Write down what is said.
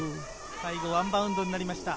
最後ワンバウンドになりました。